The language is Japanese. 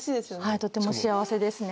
とても幸せですね。